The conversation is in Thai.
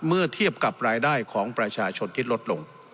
เมื่อเทียบกับรายได้ของประชาชนที่ลดลง